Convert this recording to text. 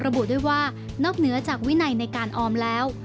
ระบุด้วยว่านอกเหนือจากวินัยในการออมแล้ว